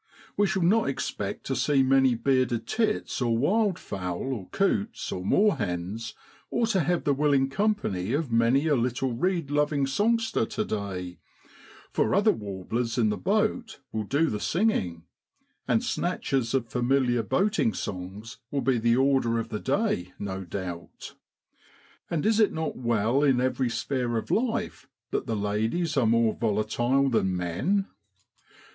We shall not expect to see many bearded tits or wild fowl or coots or moorhens, or to have the willing company of many a little reed loving songster to day, for other warblers in the boat will do the singing; and snatches of familiar boating songs will be the order of the day, no doubt. And is it not well in every sphere of life that the ladies are more volatile than men